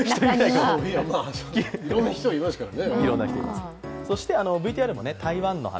いろんな人がいますからね。